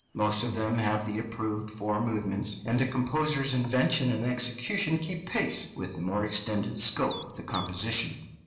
Most of them have the approved four movements, and the composer's invention and execution keep pace with the more extended scope of the composition.